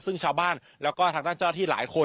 ซึ่งชาวบ้านแล้วก็ทางด้านเจ้าที่หลายคน